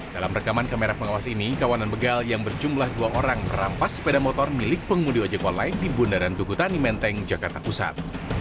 dalam rekaman kamera pengawas ini kawanan begal yang berjumlah dua orang merampas sepeda motor milik pengemudi ojek online di bundaran tugutani menteng jakarta pusat